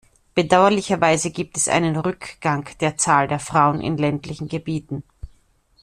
Bedauerlicherweise gibt es einen Rückgang der Zahl der Frauen in ländlichen Gebieten.